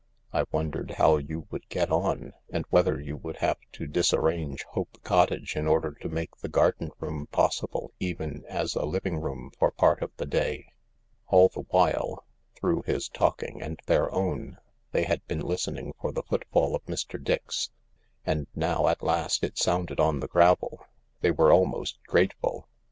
I wondered how you would get on, and whether you would have to disarrange Hope Cottage in order to make the garden room possible even as a living room for part of the day." All the while, through his talking and their own, they had been listening for the footfall of Mr. Dix. And now at last it sounded on the gravel. They were almost grateful.